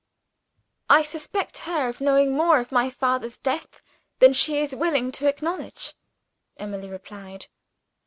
"I suspect her of knowing more of my father's death than she is willing to acknowledge," Emily replied.